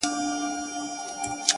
نن لکړي نڅومه میخانې چي هېر مي نه کې -